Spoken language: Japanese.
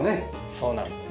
そうなんです。